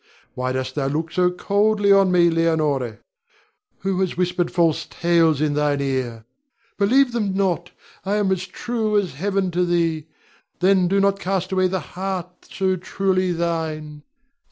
Why dost thou look so coldly on me, Leonore? Who has whispered false tales in thine ear? Believe them not. I am as true as Heaven to thee; then do not cast away the heart so truly thine.